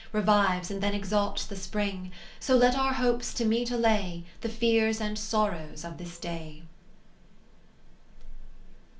Revives, and then exalts the spring : So let our hopes to meet allay The fears and sorrows of this day.